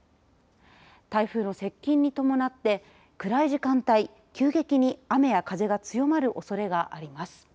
台風の接近に伴って暗い時間帯、急激に雨や風が強まるおそれがあります。